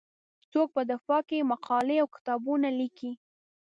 څوک په دفاع کې مقالې او کتابونه لیکي.